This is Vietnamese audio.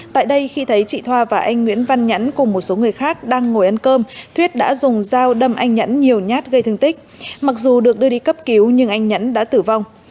tại đây khi thấy chị thoa và anh nguyễn văn nhẫn cùng một số người khác đang ngồi ăn cơm thuyết đã dùng dao đâm anh nhẫn nhiều nhát gây thương tích mặc dù được đưa đi cấp cứu nhưng anh nhẫn đã tử vong